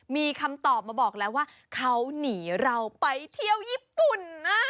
มีคำตอบมาบอกแล้วว่าเขาหนีเราไปเที่ยวญี่ปุ่นนะ